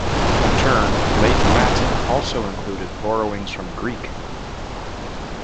In turn, Late Latin also included borrowings from Greek.